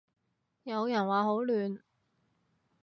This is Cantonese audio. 有人話好亂